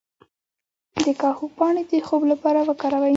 د کاهو پاڼې د خوب لپاره وکاروئ